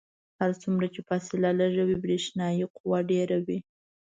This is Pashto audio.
هر څومره چې فاصله لږه وي برېښنايي قوه ډیره وي.